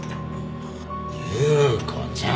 由子ちゃん！